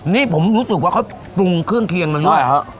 นี่ผมรู้สึกว่าเขาปรุงเครื่องเครียงมันด้วยใช่ครับ